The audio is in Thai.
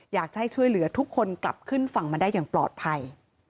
อยากจะให้ช่วยเหลือทุกคนกลับขึ้นฝั่งมาได้อย่างปลอดภัย